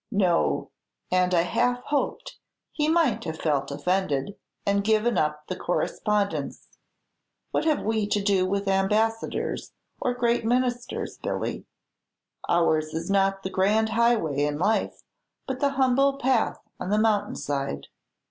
"No; and I half hoped he might have felt offended, and given up the correspondence. What have we to do with ambassadors or great ministers, Billy? Ours is not the grand highway in life, but the humble path on the mountain side."